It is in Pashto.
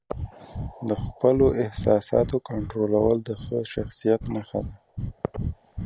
د خپلو احساساتو کنټرول د ښه شخصیت نښه ده.